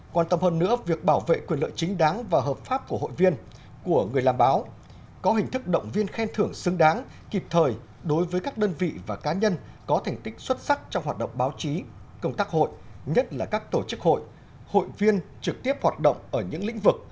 quan tâm hơn nữa việc bảo vệ quyền lợi chính đáng và hợp pháp của hội viên của người làm báo có hình thức động viên khen thưởng xứng đáng kịp thời đối với các đơn vị và cá nhân có thành tích xuất sắc trong hoạt động báo chí công tác hội nhất là các tổ chức hội hội viên trực tiếp hoạt động ở những lĩnh vực